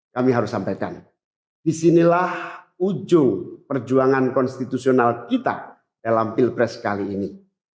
kami harus sampaikan disinilah ujung perjuangan konstitusional kita dalam pilpres kali ini